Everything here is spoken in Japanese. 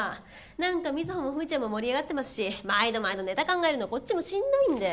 なんか瑞穂も富美ちゃんも盛り上がってますし毎度毎度ネタ考えるのこっちもしんどいんで。